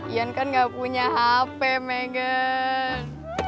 ian kan gak punya hp megang